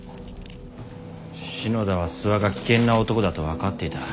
篠田は諏訪が危険な男だと分かっていた。